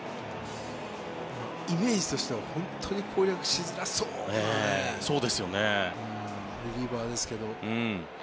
イメージとしては本当に攻略しづらそうなリリーバーですけど。